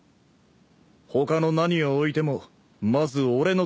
他の何をおいてもまず俺のところへ戻れ。